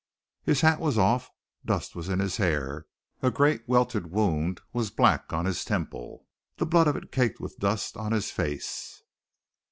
His hat was off, dust was in his hair, a great welted wound was black on his temple, the blood of it caked with dust on his face.